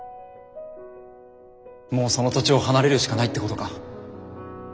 もうその土地を離れるしかないってことか。